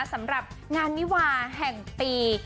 สำหรับงานวิวาแห่งปี